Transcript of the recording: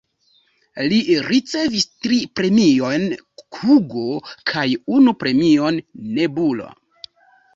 Li ricevis tri premiojn Hugo kaj unu premion Nebula.